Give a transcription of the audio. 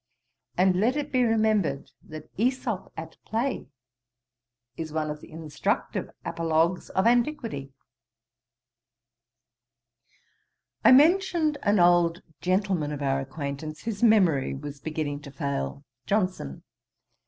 And let it be remembered, that Æsop at play is one of the instructive apologues of antiquity. I mentioned an old gentleman of our acquaintance whose memory was beginning to fail. JOHNSON.